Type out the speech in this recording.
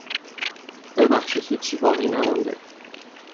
ببخشید هیچی باقی نمانده.